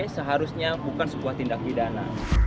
seharusnya bukan sebuah tindak pidana